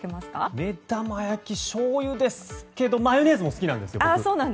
目玉焼きしょうゆですけどマヨネーズも好きなんですよ。